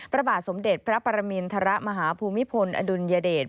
พระบาทสมเด็จพระปรมินทรมาฮภูมิพลอดุลยเดช